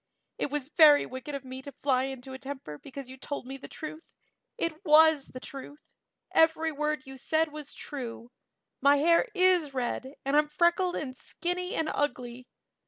It was very wicked of me to fly into a temper because you told me the truth. It was the truth; every word you said was true. My hair is red and I'm freckled and skinny and ugly.